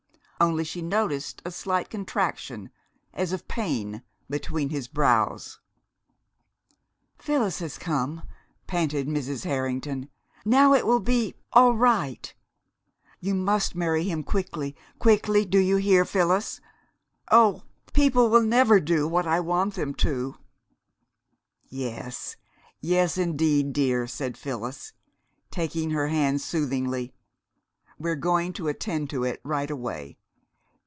Only she noticed a slight contraction, as of pain, between his brows. "Phyllis has come," panted Mrs. Harrington. "Now it will be all right. You must marry him quickly quickly, do you hear, Phyllis? Oh, people never will do what I want them to " "Yes yes, indeed, dear," said Phyllis, taking her hands soothingly. "We're going to attend to it right away.